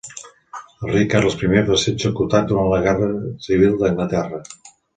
El rei Carles I va ser executat durant la guerra civil d'Anglaterra